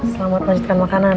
selamat lanjutkan makanan